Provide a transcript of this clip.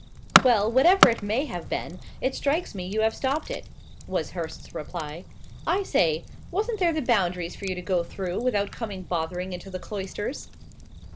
"Well, whatever it may have been, it strikes me you have stopped it," was Hurst's reply. "I say, wasn't there the Boundaries for you to go through, without coming bothering into the cloisters?"